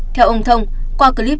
theo ông thông qua clip